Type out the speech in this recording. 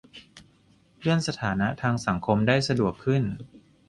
เลื่อนสถานะทางสังคมได้สะดวกขึ้น